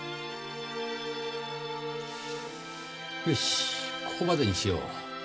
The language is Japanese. よしここまでにしよう。